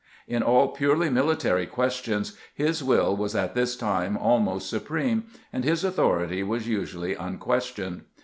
In all purely military questions his wiU was at tMs time almost supreme, and his authority was usually unquestioned.